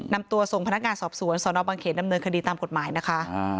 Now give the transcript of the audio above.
นำตัวส่งพนักงานสอบสวนสนบังเขตดำเนินคดีตามกฎหมายนะคะ